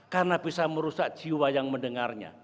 karena bisa merusak jiwa yang mendengarnya